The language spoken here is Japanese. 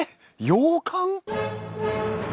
洋館！？